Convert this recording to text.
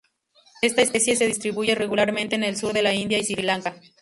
Esta especie se distribuye irregularmente en el sur de la India y Sri Lanka.